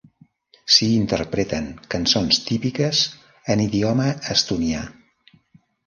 S'hi interpreten cançons típiques en idioma estonià.